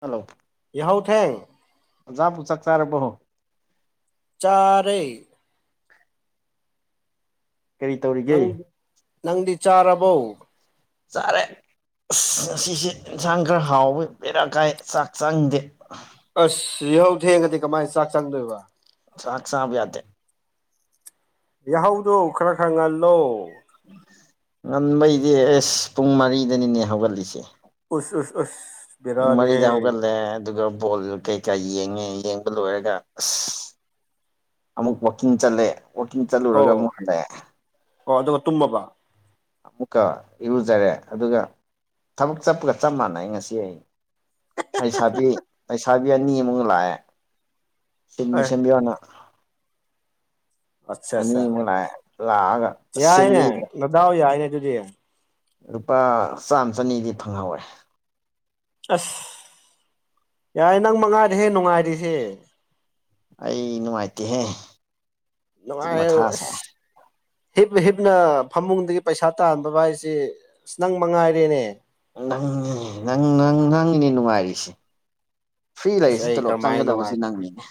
hello ꯌꯥꯍꯧ ꯊꯦꯡ ꯑꯣꯖꯥꯕꯨ ꯆꯥꯛ ꯆꯥꯔꯕꯣ ꯆꯥꯔꯦ ꯀꯔꯤ ꯅꯪ ꯇꯧꯔꯤꯒꯦ ꯅꯪꯗꯤ ꯆꯥꯔꯕꯣ ꯆꯥꯔꯦ ꯑꯁ ꯉꯁꯤꯁꯦ ꯏꯟꯁꯥꯡ ꯈꯔ ꯍꯥꯎꯕꯒꯤꯔ ꯀꯥꯏ ꯆꯥꯛ ꯆꯪꯗꯦ ꯑꯁ ꯌꯥꯍꯧ ꯊꯦꯡꯉꯗꯤ ꯀꯃꯥꯏꯅ ꯆꯥꯛ ꯆꯪꯗꯣꯏꯕ ꯆꯥꯛ ꯆꯥꯕ ꯌꯥꯗꯦ ꯌꯥꯍꯧꯗꯣ ꯈꯔ ꯈꯔ ꯉꯜꯂꯣ ꯉꯟꯕꯩꯗꯤ ꯑꯦꯁ ꯄꯨꯡ ꯃꯔꯤꯗꯅꯤꯅꯦ ꯍꯧꯒꯠꯂꯤꯁꯦ ꯎꯁ ꯑꯁ ꯑꯁ ꯃꯔꯤꯗ ꯍꯧꯒꯠꯂꯦ ꯑꯗꯨꯒ ꯕꯣꯜ ꯀꯩꯀꯥ ꯌꯦꯡꯉꯦ ꯌꯦꯡꯕ ꯂꯣꯏꯔꯒ ꯑꯁ ꯑꯃꯨꯛ ꯋꯥꯛꯀꯤꯡ ꯆꯠꯂꯦ ꯋꯥꯛꯀꯤꯡ ꯆꯠꯂꯨꯔꯒ ꯑꯃꯨꯛ ꯑꯣ ꯍꯂꯛꯑꯦ ꯑꯣ ꯑꯗꯨꯒ ꯇꯨꯝꯃꯕ ꯑꯃꯨꯛꯀ ꯏꯔꯨꯖꯔꯦ ꯑꯗꯨꯒ ꯊꯕꯛ ꯆꯠꯄꯒ ꯆꯞ ꯃꯥꯟꯅꯩ ꯉꯁꯤ ꯑꯩ ꯄꯩꯁꯥꯕꯤ ꯂꯩꯁꯥꯕꯤ ꯑꯅꯤꯃꯨꯛ ꯂꯥꯛꯑꯦ ꯁꯤꯟ ꯑꯦ ꯁꯦꯝꯕꯤꯌꯣꯅ ꯑꯆꯥ ꯆꯥ ꯑꯅꯤꯃꯨꯛ ꯂꯥꯛꯑꯦ ꯂꯥꯛꯑꯒ ꯌꯥꯏꯅꯦ ꯁꯦꯝꯕꯤꯈ꯭ꯔꯦ ꯅꯗꯥꯎ ꯌꯥꯏꯅꯦ ꯑꯗꯨꯗꯤ ꯂꯨꯄꯥ ꯆꯥꯝ ꯆꯅꯤꯗꯤ ꯐꯪꯍꯧꯋꯦ ꯑꯁ ꯌꯥꯏ ꯅꯪꯃ ꯉꯥꯏꯔꯦ ꯍꯦ ꯅꯨꯡꯉꯥꯏꯔꯤꯁꯦ ꯑꯩ ꯅꯨꯡꯉꯥꯏꯇꯦꯍꯦ ꯅꯨꯡꯉꯥꯏꯕ ꯃꯊꯥ ꯁꯥꯏ ꯏꯁ ꯍꯤꯞꯅ ꯍꯤꯞꯅ ꯐꯃꯨꯡꯗꯒꯤ ꯄꯩꯁꯥ ꯇꯥꯟꯕꯕꯥ ꯍꯥꯏꯁꯦ ꯑꯁ ꯅꯪ ꯃꯉꯥꯏꯔꯦꯅꯦ ꯅꯪꯅꯦ ꯅꯪ ꯅꯪ ꯅꯪꯅꯦ ꯅꯨꯡꯉꯥꯏꯔꯤꯁꯦ ꯐ꯭ꯔꯤ ꯑꯦꯁ ꯂꯩꯔꯤꯁꯨ ꯑꯩ ꯇꯣꯂꯣꯞ ꯀꯔꯝꯍꯥꯏꯅ ꯆꯪꯒꯗꯕꯁꯤ ꯅꯨꯡꯉꯥꯏꯔꯤꯅꯣ ꯅꯪꯅꯤꯅꯦ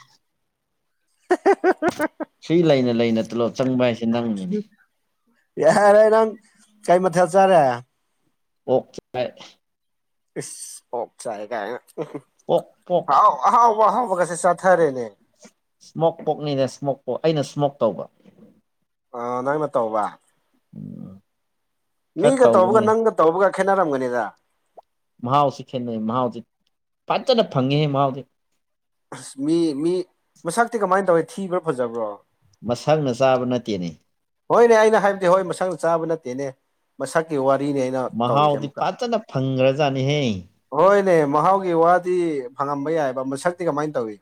ꯐꯔꯤ ꯂꯩꯅ ꯂꯩꯅ ꯇꯣꯂꯣ ꯆꯪꯕ ꯍꯥꯏꯁꯦ ꯌꯥꯔꯦ ꯅꯪ ꯀꯩ ꯃꯊꯦꯜ ꯆꯥꯔꯦ ꯑꯣꯛ ꯆꯥꯏ ꯏꯁ ꯑꯣꯞ ꯆꯥꯏ ꯀꯥꯏꯅ ꯑꯣꯛ ꯄꯣꯛ ꯑꯍꯥꯎ ꯑꯍꯥꯎꯕ ꯑꯍꯥꯎꯕ ꯀꯁꯦ ꯆꯥꯊꯔꯦꯅꯦ ꯏꯁꯃꯣꯛ ꯄꯣꯛꯅꯤꯅꯦ ꯏꯁꯃꯣꯛ ꯄꯣꯛ ꯑꯩꯅ ꯏꯁꯃꯣꯛ ꯇꯧꯕ ꯑ ꯅꯪꯅ ꯇꯧꯕ ꯎꯝ ꯈꯔ ꯃꯤꯒ ꯇꯧꯕꯒ ꯇꯧꯕꯅꯦ ꯅꯪꯒ ꯇꯧꯕꯒ ꯈꯦꯠꯅꯔꯝꯒꯅꯤꯗ ꯃꯍꯥꯎꯁꯤ ꯈꯦꯠꯅꯩ ꯃꯍꯥꯎꯁꯦ ꯐꯖꯅ ꯐꯪꯉꯦ ꯃꯍꯥꯎꯁꯦ ꯑꯁ ꯃꯤ ꯃꯤ ꯃꯁꯛꯇꯤ ꯀꯃꯥꯏꯅ ꯇꯧꯏꯤ ꯊꯤꯕ꯭ꯔꯥ ꯐꯖꯕ꯭ꯔꯣ ꯃꯁꯛꯅ ꯆꯥꯕ ꯅꯠꯇꯦꯅꯦ ꯍꯣꯏꯅꯦ ꯑꯩꯅ ꯍꯥꯏꯕꯗꯤ ꯍꯣꯏ ꯃꯁꯥꯛꯅ ꯆꯥꯕ ꯅꯠꯇꯦꯅꯦ ꯃꯁꯛꯀꯤ ꯋꯥꯔꯤꯅꯤ ꯑꯩꯅ ꯇꯧꯔꯤꯁꯦ ꯃꯍꯥꯎꯗꯤ ꯑꯃꯨꯛꯀ ꯐꯖꯅ ꯐꯪꯈ꯭ꯔꯖꯥꯠꯅꯤꯍꯦ ꯍꯣꯏꯅꯦ ꯃꯍꯥꯎꯒꯤ ꯋꯥꯗꯤ ꯐꯪꯉꯝꯕ ꯌꯥꯏꯕ ꯃꯁꯛꯇꯤ ꯀꯃꯥꯏꯅ ꯇꯧꯏ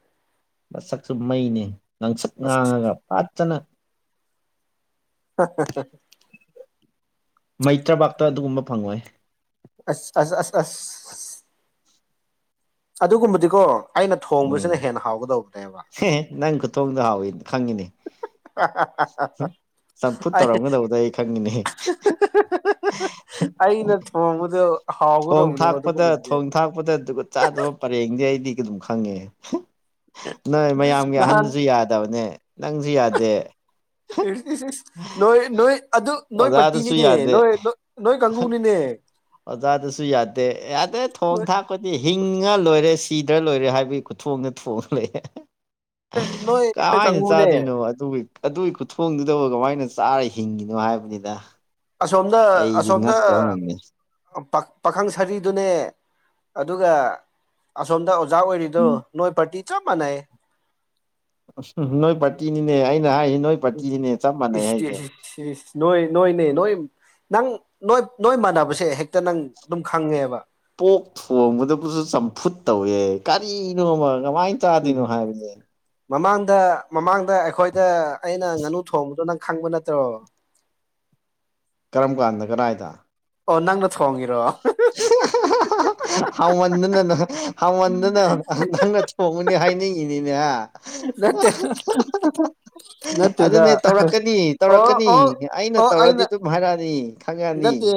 ꯃꯁꯛꯁꯨ ꯃꯩꯅꯦ ꯉꯥꯡꯁꯛ ꯉꯥꯡꯉꯒ ꯐꯖꯅ ꯍꯥ-ꯍꯥ-ꯍꯥ ꯃꯩꯇ꯭ꯔꯕꯥꯛꯇ ꯑꯗꯨꯒꯨꯝꯕ ꯐꯪꯉꯣꯏ ꯑ ꯑ ꯑ ꯑꯁ ꯑꯗꯨꯒꯨꯝꯕꯗꯤꯀꯣ ꯑꯩꯅ ꯊꯣꯡꯕꯁꯤꯅ ꯍꯦꯟꯅ ꯍꯥꯎꯒꯗꯧꯕꯅꯦꯕ ꯍꯦ ꯅꯪ ꯈꯨꯠ ꯊꯣꯡꯗꯣ ꯍꯥꯎꯏ ꯈꯪꯉꯤꯅꯤ ꯆꯝꯐꯨꯠ ꯑꯩ ꯇꯧꯔꯝꯒꯗꯧꯕꯗ ꯑꯩ ꯈꯪꯉꯤꯅꯦ ꯑꯩꯅ ꯊꯣꯡꯕꯗ ꯊꯣꯡ ꯊꯥꯛꯄꯗ ꯊꯣꯡ ꯊꯥꯛꯄꯗ ꯖꯨꯒꯣꯠ ꯆꯥꯗꯕ ꯄꯔꯦꯡꯅꯦ ꯑꯩꯗꯤ ꯑꯗꯨꯝ ꯈꯪꯉꯦ ꯅꯣꯏ ꯃꯌꯥꯝꯒꯤ ꯅꯍꯥꯟ ꯑꯍꯟꯁꯤ ꯌꯥꯗꯕꯅꯦ ꯅꯪꯁꯨ ꯌꯥꯗꯦ ꯅꯣꯏ ꯅꯣꯏ ꯑꯗꯨ ꯅꯣꯏ ꯑꯣꯖꯥꯗꯨꯁꯨ ꯄꯇꯤꯅꯤꯅꯦ ꯌꯥꯗꯦ ꯅꯣꯏ ꯅꯣꯏ ꯀꯪꯕꯨꯅꯤꯅꯦ ꯑꯣꯖꯥꯗꯁꯨ ꯌꯥꯗꯦ ꯌꯥꯗꯦ ꯊꯣꯛ ꯅꯣꯏ ꯊꯥꯛ ꯂꯥꯛꯄꯗꯤ ꯍꯤꯡꯉ ꯂꯣꯏꯔꯦ ꯁꯤꯗ꯭ꯔ ꯂꯣꯏꯔꯦ ꯍꯥꯏꯕꯒꯤ ꯈꯨꯊꯣꯡꯗ ꯊꯣꯡꯂꯦ ꯅꯣꯏ ꯀꯥꯏꯅ ꯀꯥꯡꯕꯨꯅꯦ ꯆꯥꯗꯣꯏꯅꯣ ꯑꯗꯨꯕꯨ ꯑꯗꯨꯒꯤ ꯈꯨꯊꯣꯡꯗꯨꯗꯕꯨ ꯀꯃꯥꯏꯅ ꯆꯥꯔ ꯍꯤꯡꯉꯤꯅꯣ ꯍꯥꯏꯕꯅꯤꯗ ꯑꯁꯣꯝꯗ ꯑꯩꯗꯤ ꯑꯁꯣꯝꯗ ꯉꯛꯇꯕ ꯉꯝꯃꯦ ꯄ- ꯄꯥꯈꯪ ꯁꯥꯔꯤꯗꯨꯅꯦ ꯑꯗꯨꯒ ꯑꯁꯣꯝꯗ ꯑꯣꯖꯥ ꯑꯣꯏꯔꯤꯗꯣ ꯎꯝ ꯅꯣꯏ ꯄꯥꯔꯇꯤ ꯆꯞ ꯃꯥꯟꯅꯩ ꯎ ꯅꯣꯏ ꯄꯥꯔꯇꯤꯅꯤꯅꯦ ꯑꯩꯅ ꯍꯥꯏꯁꯤ ꯅꯣꯏ ꯄꯥꯔꯇꯤꯁꯤꯅꯦ ꯆꯞ ꯃꯥꯟꯅꯩ ꯍꯥꯏꯁꯦ ꯁꯤ ꯅꯣꯏ ꯅꯣꯏ ꯅꯣꯏ ꯅꯣꯏ ꯅꯪ ꯅꯣꯏ ꯅꯣꯏ ꯃꯥꯟꯅꯕꯁꯦ ꯍꯦꯛꯇ ꯅꯪ ꯑꯗꯨꯝ ꯈꯪꯉꯦꯕ ꯄꯣꯛ ꯊꯣꯡꯕꯗꯕꯨꯁꯨ ꯆꯝꯐꯨꯠ ꯇꯧꯋꯦ ꯀꯔꯤꯅꯣꯃ ꯀꯃꯥꯏꯅ ꯎꯝ ꯆꯥꯗꯣꯏꯅꯣ ꯍꯥꯏꯕꯅꯦ ꯃꯃꯥꯡꯗ ꯃꯃꯥꯡꯗ ꯑꯩꯈꯣꯏꯗ ꯑꯩꯅ ꯉꯥꯅꯨ ꯊꯣꯡꯕꯗꯣ ꯅꯪ ꯈꯪꯕ ꯅꯠꯇ꯭ꯔꯣ ꯀꯔꯝ ꯀꯥꯟꯗ ꯀꯗꯥꯏꯗ ꯑꯣ ꯅꯪꯅ ꯊꯣꯡꯉꯤꯔꯣ ꯍꯥꯎꯃꯟꯗꯅ ꯅꯪ ꯍꯥꯎꯃꯟꯗꯅ ꯅꯪ ꯅ ꯊꯣꯡꯉꯗꯤ ꯍꯥꯏꯅꯤꯡꯢꯅꯤꯅꯦ ꯍꯥ ꯅꯠꯇꯦꯗ ꯅꯠꯇꯦꯗ ꯑꯣ ꯑꯣ ꯑꯦ ꯑꯩꯅ ꯇꯧꯔꯗꯤ ꯑꯗꯨꯝ ꯍꯥꯏꯔꯛꯑꯅꯤ ꯈꯪꯉꯅꯤ ꯅꯠꯇꯦ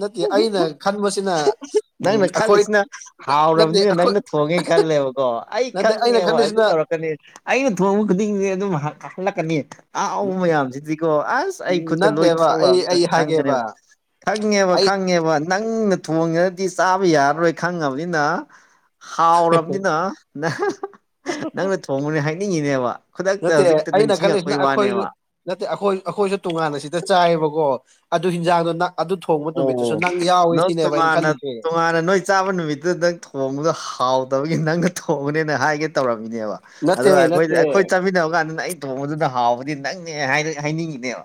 ꯅꯠꯇꯦ ꯑꯩꯅ ꯈꯟꯕꯁꯤꯅ ꯎꯝ ꯅꯪꯅ ꯑꯩꯈꯣꯏ ꯈꯜꯂꯤꯁꯤꯅ ꯅꯠꯇꯦ ꯍꯥꯎꯔꯕꯅꯤꯅ ꯑꯩꯈꯣꯏ ꯅꯪꯅ ꯊꯣꯡꯉꯦ ꯈꯜꯂꯦꯕꯀꯣ ꯑꯩ ꯅꯠꯇꯦ ꯑꯩꯅ ꯈꯪꯉꯦꯕ ꯑꯗꯨ ꯈꯜꯂꯤꯁꯤꯅ ꯇꯧꯔꯛꯀꯅꯤ ꯑꯩꯅ ꯊꯣꯡꯕ ꯈꯨꯗꯤꯡꯁ ꯑꯗꯨꯝ ꯍꯜꯂꯛꯀꯅꯤ ꯑꯍꯥꯎꯕ ꯃꯌꯥꯝꯁꯤꯗꯤꯀꯣ ꯑꯁ ꯑꯩ ꯈꯨꯠꯇ ꯂꯣꯏ ꯅꯠꯇꯦꯕ ꯑꯩ ꯊꯣꯛꯂꯛꯑꯕꯅꯤ ꯑꯩ ꯅꯪ ꯍꯥꯏꯒꯦꯕ ꯈꯪꯒꯅꯦꯕ ꯈꯪꯉꯦꯕ ꯑꯩ ꯈꯪꯉꯦꯕ ꯅꯪꯅ ꯊꯣꯡꯈꯔ꯭ꯗꯤ ꯆꯥꯕ ꯌꯥꯔꯔꯣꯏ ꯈꯪꯉꯕꯅꯤꯅ ꯍꯥꯎꯔꯕꯅꯤꯅ ꯅꯪ ꯅꯪꯅ ꯊꯣꯡꯕꯅꯦ ꯍꯥꯏꯅꯤꯡꯉꯤꯅꯦꯕ ꯈꯨꯗꯛꯇ ꯅꯠꯇꯦ ꯍꯧꯖꯤꯛꯇ ꯑꯩꯅ ꯈꯜꯂꯤꯁꯤꯅ ꯅꯤꯡꯁꯤꯡꯉꯛꯄꯩ ꯑꯩꯈꯣꯏꯁꯨ ꯋꯥꯅꯦꯕ ꯅꯠꯇꯦ ꯑꯩꯈꯣꯏ ꯑꯩꯈꯣꯏꯁꯨ ꯇꯣꯉꯥꯟꯅ ꯁꯤꯗ ꯆꯥꯏꯌꯦꯕꯀꯣ ꯑꯗꯨ ꯍꯤꯟꯖꯥꯡꯗꯣ ꯑꯗꯨ ꯊꯣꯡꯕ ꯅꯨꯃꯤꯠꯇꯨꯁꯨ ꯑꯣ ꯅꯪ ꯌꯥꯎꯋꯦ ꯁꯤꯅꯦꯕ ꯑꯩꯅ ꯇꯣꯉꯥꯟꯅ ꯈꯜꯂꯤꯁꯦ ꯇꯣꯉꯥꯟꯅ ꯅꯣꯏ ꯆꯥꯕ ꯅꯨꯃꯤꯠꯇꯨꯗ ꯅꯪ ꯊꯣꯡꯕꯗꯣ ꯍꯥꯎꯇꯕꯒꯤ ꯅꯪꯅ ꯊꯣꯡꯕꯅꯦꯅ ꯍꯥꯏꯒꯦ ꯇꯧꯔꯝꯃꯤꯅꯦꯕ ꯑꯗꯣ ꯅꯠꯇꯦ ꯑꯩꯈꯣꯏ ꯅꯠꯇꯦ ꯑꯩꯈꯣꯏ ꯆꯥꯃꯤꯟꯅꯕ ꯀꯥꯟꯗ ꯅ ꯑꯩ ꯊꯣꯡꯕꯗꯨꯗ ꯍꯥꯎꯕꯗꯤ ꯅꯪꯅꯦ ꯍꯥꯏꯅꯤꯡꯉꯤꯅꯦꯕ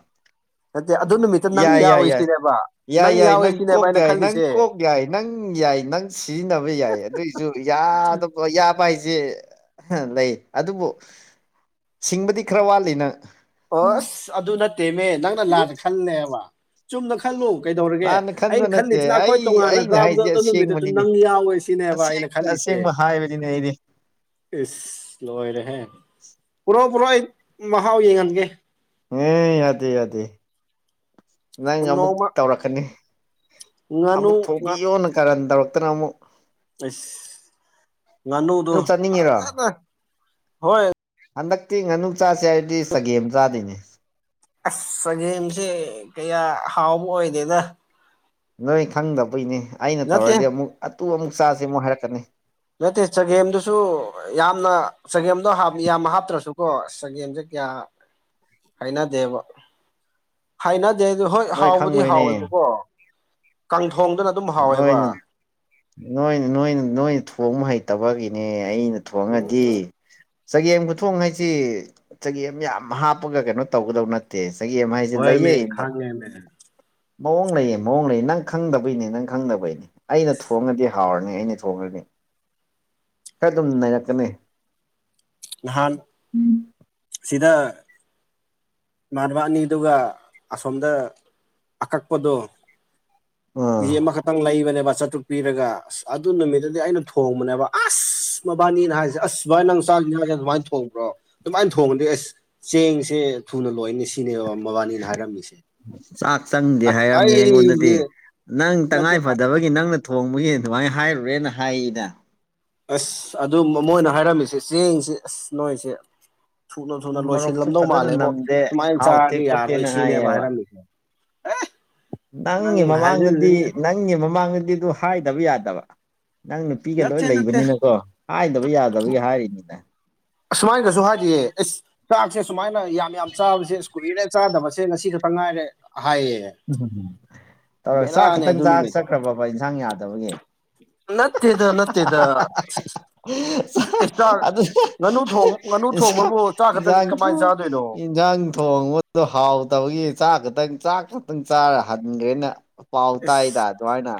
ꯅꯠꯇꯦ ꯑꯗꯨ ꯅꯨꯃꯤꯠꯇꯣ ꯅꯪ ꯌꯥꯏ ꯌꯥꯏ ꯌꯥꯏ ꯌꯥꯎꯋꯤꯁꯤꯅꯦꯕ ꯌꯥꯏ ꯌꯥꯏ ꯅꯪ ꯀꯣꯛ ꯌꯥꯏ ꯅꯪ ꯀꯣꯛ ꯌꯥꯏ ꯅꯪ ꯌꯥꯏ ꯅꯪ ꯁꯤꯖꯤꯟꯅꯕ ꯌꯥꯏ ꯑꯗꯨꯏ ꯌꯥꯗꯕ ꯌꯥꯕ ꯍꯥꯏꯁꯦ ꯂꯩ ꯑꯗꯨꯕꯨ ꯁꯤꯡꯕꯗꯤ ꯈꯔ ꯋꯥꯠꯂꯤ ꯅꯪ ꯑꯣ ꯑꯁ ꯑꯗꯨ ꯅꯠꯇꯦꯃꯦ ꯅꯪꯅ ꯂꯥꯟꯅ ꯈꯜꯂꯦꯕ ꯆꯨꯝꯅ ꯈꯜꯂꯨ ꯀꯩꯗꯧꯔꯒꯦ ꯂꯥꯟꯅ ꯈꯟꯕ ꯑꯩꯅ ꯅꯠꯇꯦ ꯈꯜꯂꯤꯁꯤꯅ ꯑꯩꯈꯣꯏ ꯑꯩ ꯇꯣꯉꯥꯟꯅ ꯑꯩꯅ ꯆꯥꯕꯗꯣ ꯍꯥꯏꯁꯦ ꯑꯗꯨꯅꯨꯃꯤꯠꯇꯁꯨ ꯑꯁꯦꯡꯕꯅꯤꯅꯦ ꯅꯪ ꯌꯥꯎꯋꯦ ꯁꯤꯅꯦꯕ ꯑꯩꯅ ꯑꯁꯦꯡꯕ ꯈꯜꯂꯤꯁꯦ ꯑꯁꯦꯡꯕ ꯍꯥꯏꯔꯅꯤꯅꯦ ꯑꯩꯗꯤ ꯏꯁ ꯂꯣꯏꯔꯦꯍꯦ ꯄꯨꯔꯥ ꯄꯔꯥ ꯃꯍꯥꯎ ꯌꯦꯡꯉꯝꯒꯦ ꯍꯦ ꯌꯥꯗꯦ ꯌꯥꯗꯦ ꯅꯪ ꯑꯃꯨꯛ ꯅꯣꯡꯃ ꯇꯧꯔꯛꯀꯅꯤ ꯉꯥꯅꯨ ꯑꯃꯨꯛ ꯉꯥ ꯊꯣꯛꯤꯌꯣꯅ ꯀꯔꯟ ꯇꯧꯔꯛꯇꯅ ꯑꯃꯨꯛ ꯑ [inaudible] ꯅꯪ ꯆꯠꯅꯤꯡꯉꯤꯔꯣ ꯍꯣꯏ ꯍꯟꯗꯛꯇꯤ ꯉꯥꯅꯨ ꯆꯥꯥꯁꯦ ꯍꯥꯏꯔꯗꯤ ꯆꯒꯦꯝ ꯆꯥꯗꯣꯏꯅꯦ ꯑꯁ ꯆꯒꯦꯝꯁꯦ ꯀꯌꯥ ꯍꯥꯎꯕ ꯑꯣꯏꯗꯦꯗ ꯅꯣꯏ ꯈꯪꯗꯕꯩꯅꯦ ꯑꯩꯅ ꯅꯠꯇꯦ ꯇꯧꯔꯗꯤ ꯑꯃꯨꯛ ꯑꯗꯨ ꯑꯃꯨꯛ ꯆꯥꯁꯦ ꯑꯃꯨꯛ ꯍꯥꯏꯔꯛꯀꯅꯤ ꯅꯠꯇꯦ ꯆꯒꯦꯝꯗꯨꯁꯨ ꯌꯥꯝꯅ ꯆꯒꯦꯝꯗꯣ ꯌꯥꯝ ꯍꯥꯞꯇ꯭ꯔꯁꯨꯀꯣ ꯆꯒꯦꯝꯁꯦ ꯀꯌꯥ ꯍꯩꯅꯗꯦꯕ ꯍꯥꯏꯅꯗꯦ ꯑꯗꯨ ꯍꯣꯏ ꯅꯣꯏ ꯍꯥꯎꯕꯗꯤ ꯈꯪꯉꯣꯏꯅꯦ ꯍꯥꯎꯋꯦꯕꯀꯣ ꯀꯥꯡꯊꯣꯡꯗ ꯅꯠꯇ ꯅꯣꯏꯅ ꯅꯣꯏ ꯅꯣꯏꯅ ꯅꯣꯏꯅ ꯊꯣꯡꯕ ꯍꯩꯇꯕꯒꯤꯅꯦ ꯑꯩꯅ ꯊꯣꯡꯉꯗꯤ ꯆꯒꯦꯝ ꯈꯨꯊꯣꯡ ꯍꯥꯏꯁꯤ ꯆꯒꯦꯝ ꯌꯥꯝ ꯍꯥꯞꯄꯒ ꯀꯩꯅꯣ ꯇꯧꯒꯗꯧ ꯅꯦ ꯗꯦ ꯆꯒꯦꯝ ꯍꯥꯏꯁꯦ ꯂꯩꯌꯦ ꯍꯣꯏꯃꯦ ꯈꯩꯃꯦ ꯃꯑꯣꯡ ꯂꯩꯌꯦ ꯃꯑꯣꯡ ꯂꯩꯌꯦ ꯅꯪ ꯈꯪꯗꯕꯩꯅꯦ ꯅꯪ ꯈꯪꯅꯕꯩꯅꯤ ꯑꯩꯅ ꯊꯣꯡꯉꯗꯤ ꯍꯥꯎꯔꯅꯤ ꯑꯩꯅ ꯊꯣꯡꯉꯅꯤ ꯈꯔ ꯑꯗꯨꯝ ꯅꯩꯅꯅꯥꯔꯛꯀꯅꯤ ꯂꯍꯥꯟ ꯁꯤꯗ ꯏꯃꯥꯟꯅꯕꯅꯤ ꯑꯗꯨꯒ ꯑꯁꯣꯝꯗ ꯑꯀꯛꯄꯗꯣ ꯏꯦ ꯑꯣ ꯑꯃꯈꯛꯇꯪ ꯂꯩꯏꯕꯅꯦ ꯆꯥꯨ ꯄꯤꯔꯒ ꯑꯁ ꯑꯗꯨ ꯅꯨꯃꯤꯠꯇꯨꯗꯤ ꯑꯩꯅ ꯊꯣꯡꯕꯅꯦꯕ ꯑꯁ ꯃꯕꯥꯅꯤꯅ ꯍꯥꯏꯁꯦ ꯑꯁ ꯚꯥꯏꯅ ꯅꯪ ꯆꯆꯥ ꯅꯥꯁꯦ ꯑꯗꯨꯃꯥꯏꯅ ꯊꯣꯡꯕ꯭ꯔꯣ ꯑꯗꯨꯃꯥꯏꯅ ꯊꯣꯡꯉꯗꯤ ꯑꯁ ꯆꯦꯡꯁꯦ ꯊꯨꯅ ꯂꯣꯏꯅꯤ ꯁꯤ ꯁꯤꯅꯦꯕ ꯃꯕꯥꯅꯤꯅ ꯍꯥꯏꯔꯝꯃꯤꯁꯦ ꯆꯥꯛ ꯆꯪꯗꯦ ꯑ ꯍꯥꯏꯔꯝꯃꯦ ꯑꯩꯉꯣꯟꯗꯗꯤ ꯑꯩꯁꯦ ꯅꯪ ꯅꯠꯇꯦ ꯇꯉꯥꯏ ꯐꯗꯕꯒꯤ ꯑꯩꯒꯤ ꯅꯪꯅ ꯊꯣꯡꯕꯒꯤ ꯑꯗꯨꯃꯥꯏꯅ ꯍꯥꯏꯔꯨꯔꯦꯅ ꯍꯥꯏꯌꯦꯗ ꯑꯁ ꯑꯗꯨ ꯃꯣꯏꯅ ꯍꯥꯏꯔꯝꯃꯤꯁꯦ ꯆꯦꯡꯁꯤ ꯑꯁ ꯅꯣꯏꯁꯦ ꯊꯨꯅ ꯊꯨꯝ ꯊꯨꯅ ꯃꯣꯔꯣꯛꯁꯨ ꯂꯣꯏꯁꯤꯜꯂꯝꯗꯧ ꯐꯖꯅ ꯃꯥꯜꯂꯦꯕꯣ ꯅꯝꯗꯦ ꯁꯨꯃꯥꯏꯅ ꯍꯥꯎꯇꯦ ꯆꯥꯔꯗꯤ ꯌꯥꯔꯣꯏ ꯈꯣꯠꯇꯦꯅ ꯁꯤꯅꯦꯕ ꯍꯥꯏꯌꯦꯕ ꯍꯥꯏꯔꯝꯃꯤꯁꯦ ꯑꯦ ꯅꯪ ꯅꯪꯒꯤ ꯃꯃꯥꯡꯗꯗꯤ ꯍꯥꯏꯖꯤꯜꯂꯤꯅꯦ ꯅꯪ ꯅꯪꯒꯤ ꯃꯃꯥꯡꯗꯗꯤ ꯑꯗꯨ ꯍꯥꯏꯗꯕ ꯌꯥꯗꯕ ꯅꯪ ꯅꯨꯄꯤꯒ ꯂꯣꯏ ꯅꯠꯇꯦ ꯅꯠꯇꯦ ꯂꯩꯕꯅꯤꯅꯀꯣ ꯍꯥꯏꯗꯕ ꯌꯥꯗꯕꯒꯤ ꯍꯥꯏꯔꯤꯅꯤꯅꯦ ꯑꯁꯨꯃꯥꯏꯅꯁꯨ ꯍꯥꯏꯔꯤꯑꯦ ꯏꯁ ꯆꯥꯛꯁꯦ ꯁꯨꯃꯥꯏꯅ ꯌꯥꯝ ꯌꯥꯝ ꯆꯥꯕꯁꯦ ꯏꯁ ꯀꯨꯕꯤꯅ ꯆꯥꯗꯕꯁꯦ ꯉꯁꯤ ꯈꯛꯇ ꯉꯥꯏꯔꯦ ꯍꯥꯏꯌꯦ ꯎꯝꯝ ꯑ ꯆꯥꯛ ꯕꯦꯔꯥꯅꯦ ꯈꯛꯇꯪ ꯑꯗꯨ ꯆꯥꯛ ꯅꯨꯃꯤꯠꯇꯣ ꯆꯠꯈ꯭ꯔꯕꯕ ꯏꯟꯁꯥꯡ ꯌꯥꯗꯕꯒꯤ ꯅꯠꯇꯦꯗ ꯅꯠꯇꯦꯗ ꯑꯦꯁꯇꯥ ꯑꯗꯨ ꯉꯥꯅꯨ ꯊꯣꯡ ꯉꯥꯅꯨ ꯏꯟꯁꯥꯡ ꯊꯣꯡꯕꯕꯨ ꯆꯥ ꯈꯛꯇꯪ ꯏꯟꯖꯥꯡ ꯀꯃꯥꯏꯅ ꯊꯣꯡ ꯆꯥꯗꯣꯏꯅꯣ ꯏꯟꯖꯥꯡ ꯊꯣꯡꯕꯗꯣ ꯍꯥꯎꯇꯕꯒꯤ ꯆꯥꯛ ꯈꯛꯇꯪ ꯆꯥꯛ ꯈꯛꯇꯪ ꯆꯥꯔ ꯍꯟꯈ꯭ꯔꯦꯅ ꯄꯥꯎ ꯏꯁ ꯇꯥꯏꯗ ꯑꯗꯨꯥꯏꯅ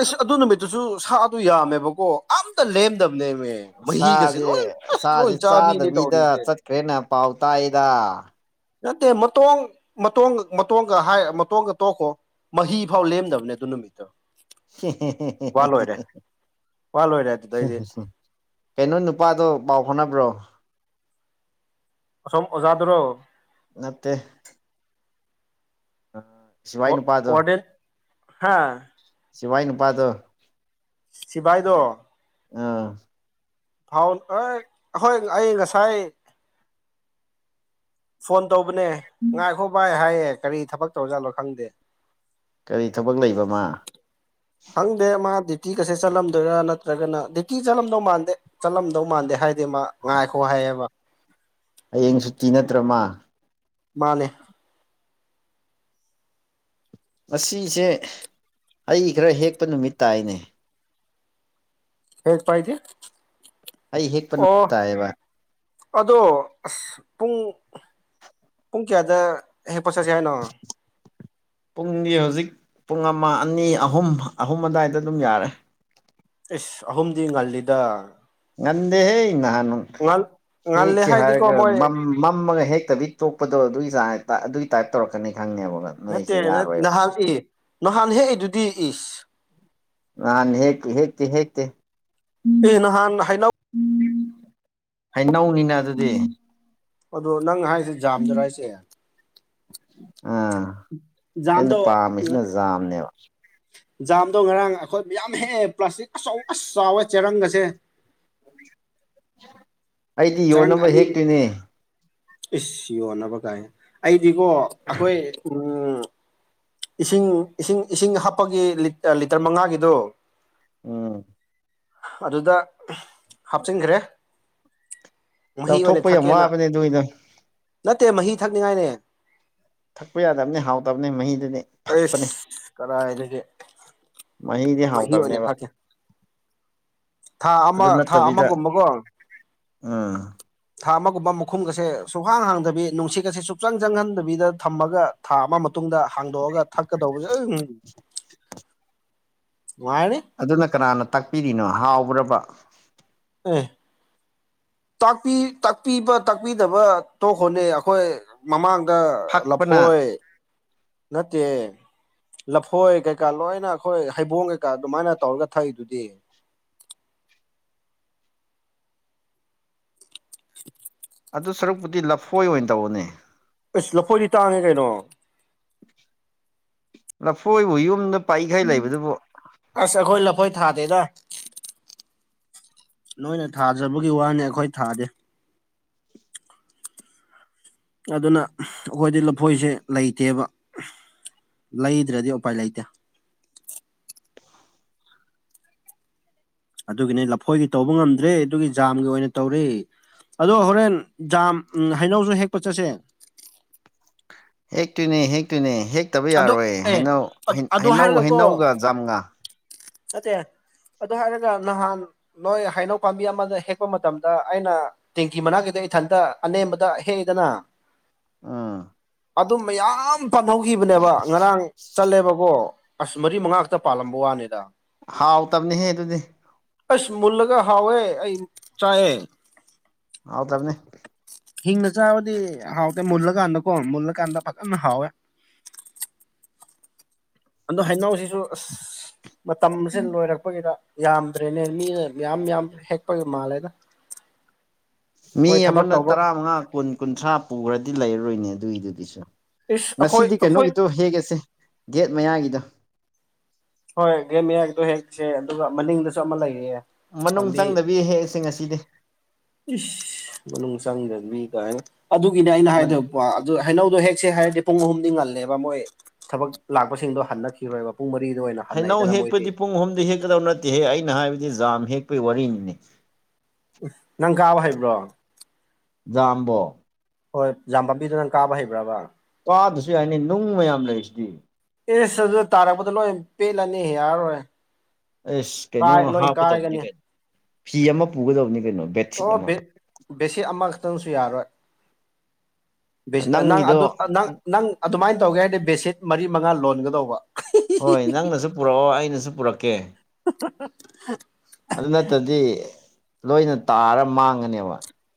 ꯑꯁ ꯑꯗꯨ ꯅꯨꯃꯤꯠꯇꯨꯁꯨ ꯁꯥ ꯑꯗꯨ ꯌꯥꯝꯃꯦꯕꯀꯣ ꯑꯝꯇ ꯂꯦꯝꯗꯕꯅꯦꯕ ꯁꯥꯁꯦ ꯁꯥꯁꯦ ꯆꯥꯕꯤꯅꯦ ꯆꯥꯗꯕꯤꯗ ꯇꯧꯔꯤꯁꯦ ꯆꯠꯈ꯭ꯔꯦꯅ ꯄꯥꯎ ꯇꯥꯛꯗ ꯅꯠꯇꯦ ꯃꯇꯣꯡ ꯃꯇꯣꯡ ꯃꯇꯣꯟꯒ ꯍꯥꯏ ꯃꯇꯣꯟꯒ ꯇꯣꯛꯈꯣ ꯃꯍꯤ ꯐꯥꯎ ꯂꯦꯝꯗꯕꯅꯦ ꯑꯗꯨ ꯅꯨꯃꯤꯠꯇꯣ ꯍꯨꯡ ꯋꯥ ꯂꯣꯏꯔꯦ ꯋꯥ ꯂꯣꯏꯔꯦ ꯑꯗꯨꯗꯩꯗꯤ ꯍꯨꯪ ꯀꯩꯅꯣ ꯅꯨꯄꯥꯗꯣ ꯄꯥꯎ ꯐꯥꯎꯅꯕ꯭ꯔꯣ ꯑꯁꯣꯝ ꯑꯣꯖꯥꯗꯨꯔꯣ ꯅꯠꯇꯦ ꯑꯥ ꯋꯥ ꯋꯥꯔꯗꯦꯟꯠ ꯍꯥꯥ ꯁꯤꯚꯏ ꯅꯨꯄꯥꯗꯣ ꯁꯤꯚꯏꯗꯣ ꯑꯥ ꯐꯥꯎ ꯑꯩꯣꯏ ꯑꯩ ꯉꯁꯥꯏ ꯐꯣꯟ ꯇꯧꯕꯅꯦ ꯉꯥꯏꯈꯣ ꯚꯥꯏ ꯍꯥꯏꯌꯦ ꯀꯔꯤ ꯊꯕꯛ ꯇꯧꯖꯥꯠꯂꯣ ꯈꯪꯗꯦ ꯀꯔꯤ ꯊꯕꯛ ꯂꯩꯕꯃ ꯍꯪꯗꯦ ꯃꯥ ꯗ꯭ꯌꯨꯇꯤ ꯀꯁꯦ ꯆꯠꯂꯝꯗꯣꯏꯔꯥ ꯅꯠꯇ꯭ꯔꯒꯅ ꯗ꯭ꯌꯨꯇꯤ ꯆꯠꯂꯝꯗꯧ ꯃꯥꯟꯗꯦ ꯆꯠꯂꯝꯗꯧ ꯃꯥꯟꯗꯦ ꯍꯥꯏꯦ ꯏꯕꯦꯝꯃ ꯉꯥꯏꯈꯣ ꯍꯥꯏꯌꯦꯕ ꯍꯌꯦꯡ ꯁꯨꯇꯤ ꯅꯠꯇ꯭ꯔꯃ ꯃꯥꯅꯦ ꯉꯁꯤꯁꯦ ꯑꯩ ꯈꯔ ꯍꯦꯛꯄ ꯅꯨꯃꯤꯠ ꯇꯥꯏꯅꯦ ꯍꯦꯛꯇ ꯄꯥꯏꯠꯇ ꯑꯩ ꯍꯦꯛꯄ ꯅꯨꯃꯤꯠ ꯇꯥꯏꯌꯦꯕ ꯑꯗꯣ ꯑꯁ ꯄꯨꯡ ꯄꯨꯡ ꯀꯌꯥꯗ ꯍꯦꯛꯄ ꯆꯠꯁꯤ ꯍꯥꯏꯅꯣ [unintelligible] ꯄꯨꯡꯗꯤ ꯍꯧꯖꯤꯛ ꯄꯨꯡ ꯑꯃ ꯑꯅꯤ ꯑꯍꯨꯝ ꯑꯍꯨꯝ ꯑꯗꯨꯋꯥꯏꯗ ꯑꯗꯨꯝ ꯌꯥꯔꯦ ꯑꯦꯁ ꯑꯍꯨꯝꯗꯤ ꯉꯜꯂꯤꯗ ꯉꯟꯗꯦ ꯍꯦ ꯅꯍꯥꯟ ꯉꯜ ꯉꯜꯂꯦ ꯍꯦꯛꯁꯦ ꯍꯥꯏꯗꯤꯀꯣ ꯍꯥꯢꯔꯒ ꯃꯣꯏ ꯃꯥꯝ ꯃꯝꯃꯒ ꯍꯦꯛꯇꯕꯤ ꯇꯣꯛꯄꯗꯣ ꯑꯗꯨꯒꯤ ꯑꯗꯨꯒꯤ ꯇꯥꯏꯞ ꯇꯧꯔꯛꯀꯅꯤ ꯈꯪꯉꯦꯕ ꯅꯠꯇꯦ ꯅꯣꯏꯁꯦ ꯌꯥꯔꯣꯏꯕ ꯅꯍꯥꯟ ꯏ ꯅꯍꯥꯟ ꯍꯦꯛꯏꯗꯨꯗꯤ ꯏꯁ ꯅꯍꯥꯟ ꯍꯦꯛꯇꯦ ꯍꯦꯛꯇꯦ ꯍꯦꯛꯇꯦ ꯑꯦ ꯅꯍꯥꯟ ꯍꯩꯅꯧ ꯍꯩꯅꯧꯅꯤꯅ ꯑꯗꯨꯗꯤ ꯑꯗꯣ ꯅꯪ ꯍꯥꯏꯁꯦ ꯖꯝꯗ꯭ꯔꯥ ꯍꯥꯏꯁꯦ ꯑꯥ ꯑꯩꯅ ꯖꯥꯝꯗꯣ ꯄꯥꯝꯃꯤꯁꯤꯅ ꯖꯥꯝꯅꯦꯕ ꯖꯥꯝꯗꯣ ꯉꯔꯥꯡ ꯑꯩꯈꯣꯏ ꯃꯌꯥꯝ ꯍꯦ ꯄ꯭ꯂꯥꯁꯇꯤꯛ ꯑꯆꯧ ꯑꯁ ꯆꯥꯎꯋꯦ ꯆꯦꯔꯥꯡꯒꯁꯦ ꯑꯩꯗꯤ ꯆꯔꯪ ꯌꯣꯟꯅꯕ ꯑꯅꯤ ꯍꯦꯛꯇꯣꯏꯅꯦ ꯏꯁ ꯌꯣꯟꯅꯕ ꯀꯥꯏ ꯑꯩꯗꯤꯀꯣ ꯑꯩꯈꯣꯏ ꯎꯝ ꯏꯁꯤꯡ ꯏꯁꯤꯡ ꯏꯁꯤꯡ ꯍꯥꯞꯄꯒꯤ ꯂꯤꯇꯔ ꯃꯉꯥꯒꯤꯗꯣ ꯎꯝ ꯑꯗꯨꯗ ꯍꯥꯞꯆꯤꯟꯈ꯭ꯔꯦ ꯃꯍꯤ ꯑꯣꯏꯅ ꯂꯧꯊꯣꯛꯄ ꯌꯥꯝ ꯊꯛꯀꯦꯅ ꯋꯥꯕꯅꯦ ꯑꯗꯨꯏ ꯅꯪ ꯅꯠꯇꯦ ꯃꯍꯤ ꯊꯛꯅꯤꯡꯉꯥꯏꯅꯦ ꯊꯛꯄ ꯌꯥꯗꯕꯅꯤ ꯍꯥꯎꯇꯕꯅꯤ ꯃꯍꯤꯗꯨꯗꯤ ꯐꯛꯄꯅꯦ ꯑꯩꯁ ꯀꯔꯥꯏꯗꯒꯤ ꯃꯍꯤꯗꯤ ꯍꯥꯎꯇꯕꯅꯦꯕ ꯊꯛꯀꯦ ꯊꯥ ꯑꯃ ꯊꯥ ꯑꯃꯒꯨꯝꯕꯒꯣ ꯑꯥ ꯊꯥ ꯑꯃꯒꯨꯝꯕ ꯃꯈꯨꯝꯒꯁꯦ ꯁꯨꯛꯍꯥꯡ ꯍꯥꯡꯗꯕꯤ ꯅꯨꯡꯁꯤꯠꯀꯁꯦ ꯁꯨꯡꯆꯪ ꯆꯪꯍꯟꯗꯕꯤꯗ ꯊꯝꯃꯒ ꯊꯥ ꯑꯃ ꯃꯇꯨꯡꯗ ꯍꯥꯡꯗꯣꯛꯑꯒ ꯊꯛꯀꯗꯧꯕ ꯅꯨꯡꯉꯥꯏꯔꯅꯤ ꯑꯗꯨꯅ ꯀꯅꯥꯅ ꯇꯥꯛꯄꯤꯔꯤꯅꯣ ꯍꯥꯎꯕ꯭ꯔꯕ ꯑꯦ ꯄꯤ ꯇꯥꯛꯄꯤꯕ ꯇꯥꯛꯄꯤꯗꯕ ꯇꯣꯛꯈꯣꯅꯦ ꯑꯩꯈꯣꯢ ꯃꯃꯥꯡꯗ ꯐꯛꯄꯅ ꯂꯐꯣꯏ ꯅꯠꯇꯦ ꯂꯐꯣꯏ ꯀꯩꯀꯥ ꯂꯣꯏꯅ ꯑꯩꯈꯣꯏ ꯍꯩꯕꯣꯡ ꯀꯩꯀꯥ ꯑꯗꯨꯃꯥꯏꯅ ꯇꯧꯔꯒ ꯊꯥꯛꯏꯗꯨꯗꯤ ꯑꯗꯨꯣ ꯁꯔꯨꯛꯄꯨꯗꯤ ꯂꯐꯣꯏ ꯑꯣꯏꯅ ꯇꯧꯅꯦ ꯑꯁ ꯂꯐꯣꯏꯗꯤ ꯇꯥꯡꯉꯦ ꯀꯩꯅꯣ ꯂꯐꯣꯏꯕꯨ ꯌꯨꯝꯗ ꯄꯩꯈꯩ ꯂꯩꯕꯗꯨꯕꯨ ꯑꯁ ꯑꯩꯈꯣꯏ ꯂꯐꯣꯏ ꯊꯥꯗꯦꯗ ꯅꯣꯏꯅ ꯊꯥꯖꯕꯒꯤ ꯋꯥꯅꯦ ꯑꯩꯈꯣꯏ ꯊꯥꯗꯦ ꯑꯗꯨꯅ ꯑꯩꯈꯣꯏꯗꯤ ꯂꯐꯣꯏꯁꯦ ꯂꯩꯇꯦꯕ ꯂꯩꯗ꯭ꯔꯗꯤ ꯎꯄꯥꯏ ꯂꯩꯇꯦ ꯑꯗꯨꯒꯤꯅꯦ ꯂꯐꯣꯏꯒꯤ ꯇꯧꯕ ꯉꯝꯗ꯭ꯔꯦ ꯑꯗꯨꯒꯤ ꯖꯥꯝꯒꯤ ꯑꯣꯏꯅ ꯇꯧꯔꯦ ꯑꯗꯣ ꯍꯣꯔꯦꯟ ꯖꯥꯝ ꯍꯩꯅꯧꯁꯨ ꯍꯦꯛꯄ ꯆꯠꯁꯦ ꯍꯦꯛꯇꯣꯏꯅꯦ ꯍꯦꯛꯇꯣꯏꯅꯦ ꯍꯦꯛꯇꯕ ꯑꯗꯣ ꯌꯥꯔꯣꯏ ꯑꯦ ꯍꯩꯅꯧ ꯑꯗꯨ ꯍꯩꯅꯧ ꯍꯥꯏꯔꯒꯀꯣ ꯍꯩꯅꯧꯒ ꯖꯥꯝꯒ ꯅꯠꯇꯦ ꯑꯗꯨ ꯍꯥꯏꯔꯒ ꯅꯍꯥꯟ ꯅꯣꯏ ꯍꯩꯅꯧ ꯄꯥꯝꯕꯤ ꯑꯃꯗ ꯍꯦꯛꯄ ꯃꯇꯝꯗ ꯑꯩꯅ ꯇꯦꯡꯀꯤ ꯃꯅꯥꯛ ꯀꯤꯗ ꯏꯊꯟꯇ ꯑꯅꯦꯝꯕꯗ ꯍꯦꯛꯏꯗꯅ ꯎꯝ ꯑꯗꯨ ꯃꯌꯥꯝ ꯄꯥꯟꯍꯧꯈꯤꯕꯅꯦꯕ ꯉꯔꯥꯡ ꯆꯠꯂꯦꯕꯀꯣ ꯑꯁ ꯃꯔꯤ ꯃꯉꯥꯛꯇ ꯄꯥꯜꯂꯝꯕ ꯋꯥꯅꯤꯗ ꯍꯥꯎꯇꯕꯅꯤꯍꯦ ꯑꯗꯨꯗꯤ ꯑꯁ ꯃꯨꯂꯒ ꯍꯥꯎꯌꯦꯑꯩ ꯆꯥꯥꯢꯌꯧ ꯍꯥꯎꯇꯕꯅꯦ ꯍꯤꯡꯅ ꯆꯥꯕꯗꯤ ꯍꯥꯎꯇꯦ ꯃꯨꯜꯂꯀꯥꯟꯗꯀꯣ ꯃꯨꯜꯂꯀꯥꯟꯗ ꯐꯖꯅ ꯍꯥꯎꯋꯦ ꯑꯗꯣ ꯍꯩꯅꯥꯎꯁꯤꯁꯨ ꯑꯁ ꯃꯇꯝꯁꯦ ꯂꯣꯏꯔꯛꯄꯒꯤꯗ ꯌꯥꯝꯗ꯭ꯔꯦꯅꯦ ꯃꯤꯅ ꯌꯥꯝ ꯌꯥꯝ ꯍꯦꯛꯄꯒꯤ ꯃꯥꯜꯂꯦꯗ ꯃꯤ ꯃꯣꯏ ꯊꯕꯛ ꯑꯃꯅ ꯇꯧꯕ ꯇꯔꯥꯃꯉꯥ ꯀꯨꯟ ꯀꯨꯟꯊ꯭ꯔꯥ ꯄꯨꯈ꯭ꯔꯗꯤ ꯂꯩꯔꯔꯣꯏꯅꯦ ꯑꯗꯨꯏꯗꯨꯗꯤꯁꯨ ꯏꯁ ꯑꯩꯈꯣꯏ ꯉꯁꯤꯗꯤ ꯑꯩꯈꯣꯏ ꯀꯩꯅꯣꯒꯤꯗꯣ ꯍꯦꯛꯒꯁꯦ ꯒꯦꯠ ꯃꯌꯥꯒꯤꯗꯣ ꯍꯣꯏ ꯒꯦꯝ ꯃꯌꯥꯏꯗꯣ ꯍꯦꯛꯁꯦ ꯑꯗꯨꯒ ꯃꯅꯤꯡꯗꯁꯨ ꯑꯃ ꯂꯩꯌꯦ ꯃꯅꯨꯡ ꯆꯪꯗꯕꯤ ꯍꯦꯛꯁꯦ ꯉꯁꯤꯗꯤ ꯃꯅꯨꯡ ꯆꯪꯗꯅꯤ ꯀꯥꯏꯅ ꯑꯗꯨꯒꯤꯅꯦ ꯑꯩꯅ ꯍꯥꯏꯗꯣ ꯑꯗꯨ ꯍꯩꯅꯧꯗꯣ ꯍꯦꯛꯁꯦ ꯍꯥꯏꯔꯗꯤ ꯄꯨꯡ ꯑꯍꯨꯝꯗꯤ ꯉꯜꯂꯦꯕ ꯃꯣꯏ ꯊꯕꯛ ꯂꯥꯛꯄꯁꯤꯡꯗꯣ ꯍꯟꯅꯈꯤꯔꯣꯏꯕ ꯄꯨꯡ ꯃꯔꯤꯗ ꯑꯣꯏꯅ ꯍꯩꯅꯧ ꯍꯟꯅꯩꯗꯅ ꯃꯣꯏꯗꯤ ꯍꯦꯛꯄꯗꯤ ꯄꯨꯡ ꯑꯍꯨꯝꯗꯤ ꯍꯦꯛꯀꯗꯕ ꯅꯠꯇꯦꯍꯦ ꯑꯩꯅ ꯍꯥꯏꯕꯗꯤ ꯖꯥꯝ ꯍꯦꯛꯄꯒꯤ ꯋꯥꯔꯤꯅꯤꯅꯦ ꯎ ꯅꯪ ꯀꯥꯕ ꯍꯩꯕ꯭ꯔꯣ ꯖꯝꯕꯣ ꯍꯣꯏ ꯖꯥꯝ ꯄꯥꯝꯕꯤꯗꯨ ꯅꯪ ꯀꯥꯕ ꯍꯩꯕ꯭ꯔꯕ ꯀꯥꯗꯔꯁꯨ ꯌꯥꯏꯅꯦ ꯅꯨꯡ ꯃꯌꯥꯝ ꯂꯩꯁꯤꯗꯤ ꯑꯦꯁ ꯑꯗꯨ ꯇꯥꯔꯛꯄꯗ ꯂꯣꯏ ꯄꯦꯜꯂꯅꯤ ꯌꯥꯔꯔꯣꯏ ꯑꯁ ꯀꯩꯅꯣ ꯀꯥꯏ ꯂꯣꯏ ꯍꯥꯞꯀꯗꯕꯅꯤ ꯀꯥꯏꯒꯅꯤ ꯀꯩꯅꯣ ꯐꯤ ꯑꯃ ꯄꯨꯒꯗꯕꯅꯤ ꯀꯩꯅꯣ ꯕꯦꯠꯁꯤꯠ ꯑꯣ ꯑꯃ ꯕꯦꯁꯤꯠ ꯑꯃꯈꯛꯇꯪꯁꯨ ꯌꯥꯔꯣꯏ [inaudible] ꯅꯪ ꯅꯪꯒꯤꯗꯣ ꯑꯗꯨ ꯅꯪ ꯅꯪ ꯑꯗꯨꯃꯥꯏꯅ ꯇꯧꯒꯦ ꯍꯥꯏꯔꯗꯤ ꯕꯦꯁꯤꯠ ꯃꯔꯤ ꯃꯉꯥ ꯂꯣꯟꯒꯗꯧꯕ ꯍꯣꯏ ꯅꯪꯅꯁꯨ ꯄꯨꯔꯛꯑꯣ ꯑꯩꯅꯁꯨ ꯄꯨꯔꯛꯀꯦ [inaudible] ꯑꯗꯨ ꯅꯠꯇꯗꯤ ꯂꯣꯏꯅ ꯇꯥꯔ ꯃꯥꯡꯒꯅꯦꯕ